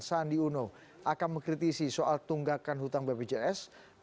sandi uno akan mengkritisi soal tunggakan hutang bpjs